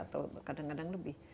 atau kadang kadang lebih